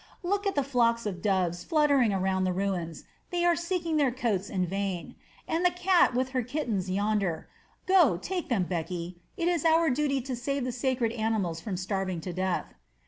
Look at the flocks of doves fluttering around the ruins; they are seeking their cotes in vain. And the cat with her kittens yonder. Go and take them, Beki; it is our duty to save the sacred animals from starving to death."